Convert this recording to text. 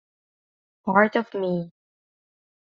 Part of Me